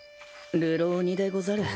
流浪人でござる。